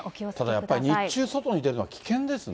ただやっぱり、日中、外に出るのは危険ですね。